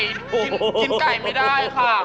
กินไก่ไม่ได้ค่ะ